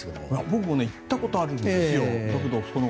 僕も行ったことがあるんですよ。